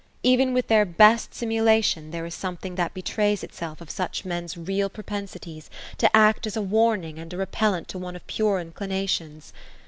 Even with their best simu* lation, there is something that betrays itself of such men's real propen sities, to act as a warning and a repellant to one of pure inclinations.